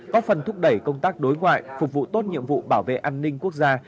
có phần thúc đẩy công tác đối ngoại phục vụ tốt nhiệm vụ bảo vệ an ninh quốc gia